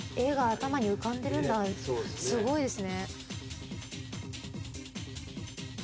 すごいですね。